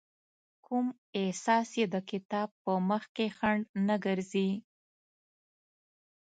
کوم احساس يې د کتاب په مخکې خنډ نه ګرځي.